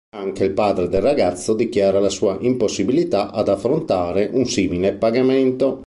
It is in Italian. Anche il padre del ragazzo dichiara la sua impossibilità ad affrontare un simile pagamento.